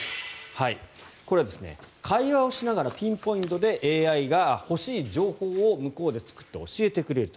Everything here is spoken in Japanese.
これは会話をしながらピンポイントでＡＩが欲しい情報を向こうで作って教えてくれると。